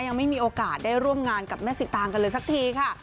ยังไม่มีโอกาสได้ร่วมงานกับแม่สิตางกันเลยสักทีค่ะ